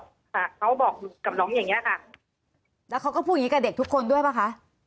ค่ะเขาบอกกับน้องอย่างเงี้ยค่ะแล้วเขาก็พูดอย่างงี้กับเด็กทุกคนด้วยป่ะคะ